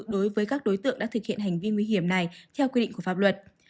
đối với các đối tượng đã thực hiện hành vi nguy hiểm này theo quy định của pháp luật